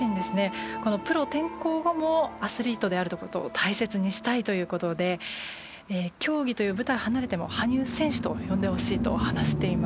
このプロ転向後もアスリートである事を大切にしたいという事で競技という舞台を離れても羽生選手と呼んでほしいと話していました。